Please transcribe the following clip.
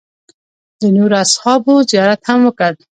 د نورو اصحابو زیارت هم وکړ.